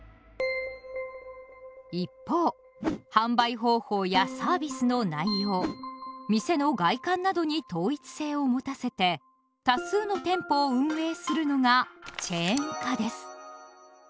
一方販売方法やサービスの内容店の外観などに統一性を持たせて多数の店舗を運営するのが「チェーン化」です。